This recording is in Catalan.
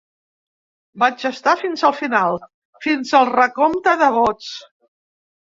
Vaig estar fins al final, fins al recompte de vots.